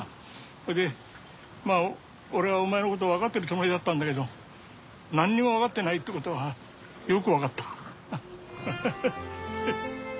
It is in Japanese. それでまあ俺はお前のことわかってるつもりだったんだけど何にもわかってないってことがよくわかった。